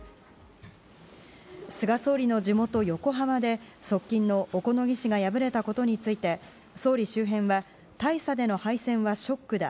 菅総理の地元・横浜で側近の小此木氏が敗れたことについて総理周辺は大差での敗戦はショックだ。